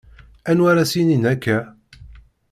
Anwa ara s-yinin akka?